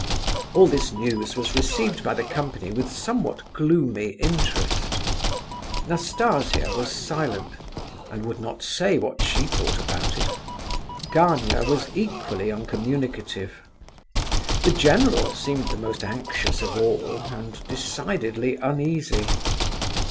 All this news was received by the company with somewhat gloomy interest. Nastasia was silent, and would not say what she thought about it. Gania was equally uncommunicative. The general seemed the most anxious of all, and decidedly uneasy.